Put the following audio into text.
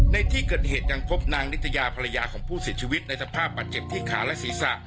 ในที่เกิดเหตุยังพบนางนิตยาภรรยาของผู้เสียชีวิตในสภาพบาดเจ็บที่ขาและศีรษะ